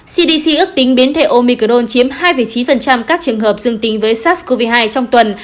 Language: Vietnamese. cdc ước tính biến thể omicrone chiếm hai chín các trường hợp dương tính với sars cov hai trong tuần